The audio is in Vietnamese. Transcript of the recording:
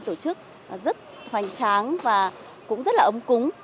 tổ chức rất hoành tráng và cũng rất là ấm cúng